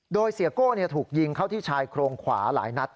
โดยเสียโก้ถูกยิงเข้าที่ชายโครงขวาหลายนัด